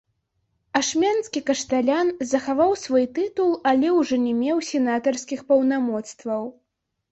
Ашмянскі кашталян захаваў свой тытул, але ўжо не меў сенатарскіх паўнамоцтваў.